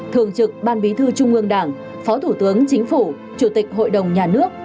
thường trực ban bí thư trung ương đảng phó thủ tướng chính phủ chủ tịch hội đồng nhà nước